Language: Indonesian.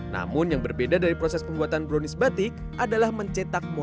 namun yang berbeda dari proses pembuatan brownies batik adalah mencetak motif